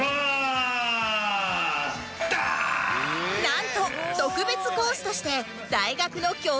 なんと特別講師として大学の教壇へ